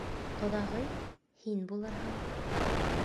Ҡоҙағый, һин булырһың.